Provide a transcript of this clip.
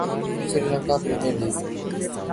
Sri Lanka Premier League